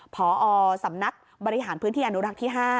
พอสำนักบริหารพื้นที่อนุรักษ์ที่๕